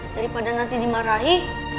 daripada nanti dimarahi